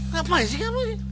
kenapa ini sih